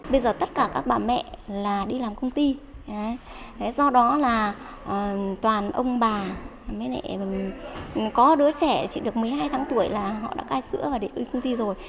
bây giờ tất cả các bà mẹ là đi làm công ty do đó là toàn ông bà có đứa trẻ chỉ được một mươi hai tháng tuổi là họ đã cai sữa và để uy công ty rồi